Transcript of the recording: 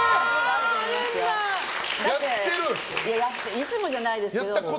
いつもじゃないですけど。